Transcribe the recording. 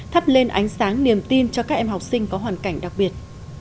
thắp lên ánh sáng niềm tin cho các em học sinh có hoàn cảnh đặc biệt